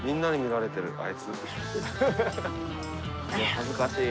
恥ずかしい。